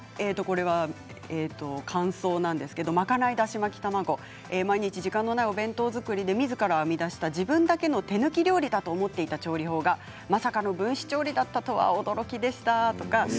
感想なんですが巻かないだし巻き卵毎日、時間のないお弁当作りでみずから編み出した自分だけの手抜き料理だと思っていた調理法が、まさかの分子調理だったとは驚きでした。